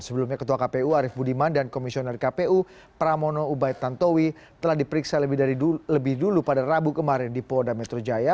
sebelumnya ketua kpu arief budiman dan komisioner kpu pramono ubaid tantowi telah diperiksa lebih dulu pada rabu kemarin di polda metro jaya